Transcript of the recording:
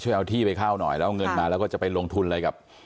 เอาที่ไปเข้าหน่อยแล้วเอาเงินมาแล้วก็จะไปลงทุนอะไรกับ